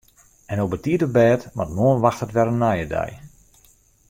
En no betiid op bêd want moarn wachtet wer in nije dei.